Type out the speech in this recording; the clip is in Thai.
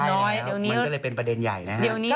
มันจะเลยเป็นประเด็นใหญ่นะฮะ